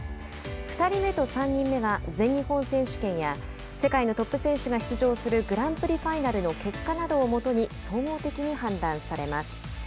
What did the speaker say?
２人目と３人目は全日本選手権や世界のトップ選手が出場するグランプリファイナルの結果などをもとに総合的に判断されます。